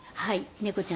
猫ちゃん。